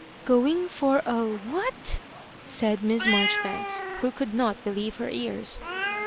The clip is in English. ^ (roing for a — what?" said Miss Marjoribanks, who could not believe her ears.